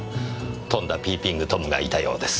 とんだピーピングトムがいたようです。